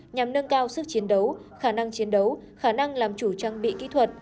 nhằm nâng cao sức chiến đấu khả năng chiến đấu khả năng làm chủ trang bị kỹ thuật